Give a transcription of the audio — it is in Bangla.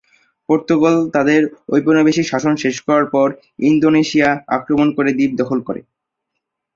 পর্তুগাল তার ঔপনিবেশিক শাসন শেষ করার পর, ইন্দোনেশিয়া আক্রমণ করে দ্বীপ দখল করে।